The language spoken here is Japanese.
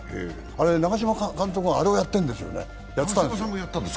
あれ、長嶋監督があれをやってたんですよ。